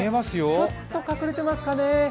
ちょっと隠れてますかね。